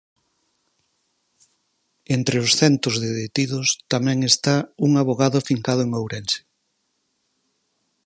Entre os centos de detidos, tamén está un avogado afincado en Ourense.